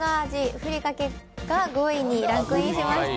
ふりかけが５位にランクインしました。